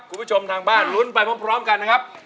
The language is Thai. คุณผู้ชมทางบ้านลุ้นไปพร้อมกันนะครับ